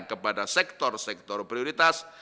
kepada sektor sektor prioritas